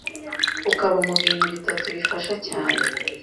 ukaba mu bintu bitatu bifasha cyane